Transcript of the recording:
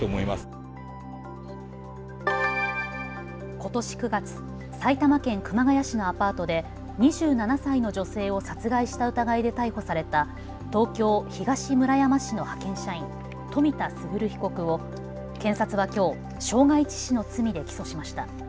ことし９月、埼玉県熊谷市のアパートで２７歳の女性を殺害した疑いで逮捕された東京東村山市の派遣社員、冨田賢被告を検察はきょう傷害致死の罪で起訴しました。